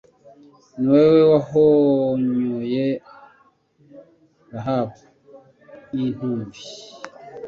Ni wowe wahonyoye Rahabu nk’intumbi